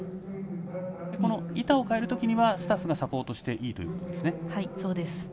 板を替えるときにはスタッフがサポートしていいということです。